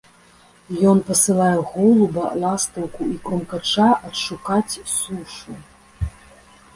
Ён пасылае голуба, ластаўку і крумкача адшукаць сушу.